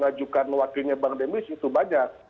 rajukan wakilnya bang demik itu banyak